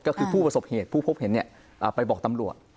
ก็คือผู้ประสบเหตุผู้พบเห็นไปบอกตำรวจ